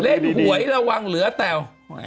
เฮ้ยเล่นหวยหวังเหลือแต่ว